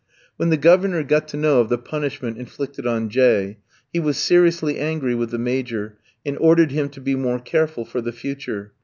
When the Governor got to know of the punishment inflicted on J ski, he was seriously angry with the Major, and ordered him to be more careful for the future.